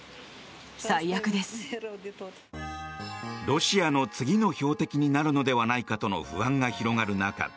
ロシアの次の標的になるのではないかとの不安が広がる中